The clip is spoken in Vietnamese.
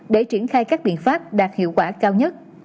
để triển khai các biện pháp đạt hiệu quả cao nhất